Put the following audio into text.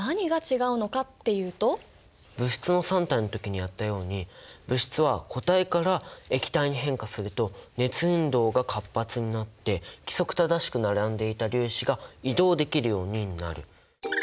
物質の三態の時にやったように物質は固体から液体に変化すると熱運動が活発になって規則正しく並んでいた粒子が移動できるようになる。